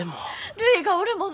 るいがおるもの。